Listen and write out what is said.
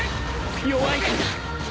弱いからだ